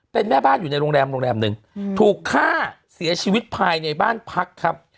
เป็นแม่บ้านอยู่ในโรงแรมโรงแรมหนึ่งถูกฆ่าเสียชีวิตภายในบ้านพักครับ